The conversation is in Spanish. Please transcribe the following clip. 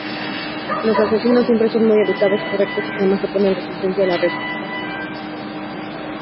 Los asesinos siempre son muy educados, correctos y jamás oponen resistencia al arresto.